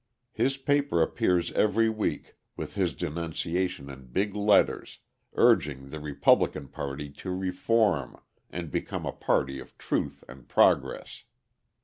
His paper appears every week with his denunciations in big letters, urging the Republican party to reform and become a party of truth and progress.